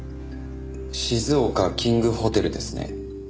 静岡キングホテルですね？